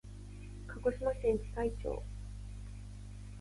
鹿児島県喜界町